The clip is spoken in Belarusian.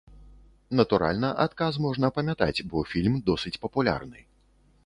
Натуральна, адказ можна памятаць, бо фільм досыць папулярны.